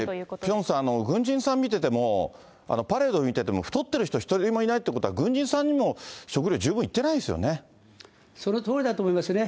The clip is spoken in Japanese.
ピョンさん、軍人さん見てても、パレード見てても、太ってる人１人もいないということは、軍人さんにも食糧、十分いそのとおりだと思いますね。